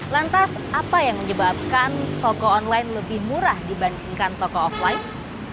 lantas apa yang menyebabkan toko online lebih murah dibandingkan toko offline